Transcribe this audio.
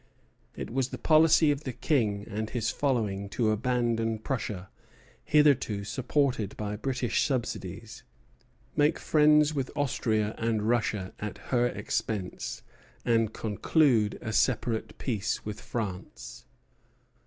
It was the policy of the King and his following to abandon Prussia, hitherto supported by British subsidies, make friends with Austria and Russia at her expense, and conclude a separate peace with France.